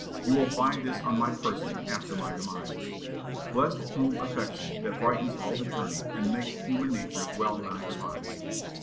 You will find this on my person after my demise." Blessed home affection, that brightens all the journey, and makes human nature well nigh divine!